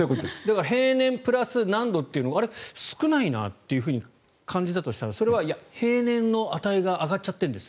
平年プラス何度というのがあれ、少ないなっていうふうに感じたとしたらそれは平年の値が上がっちゃってると。